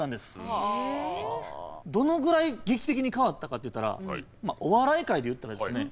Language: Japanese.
どのぐらい劇的に変わったかっていったらお笑い界で言ったらですね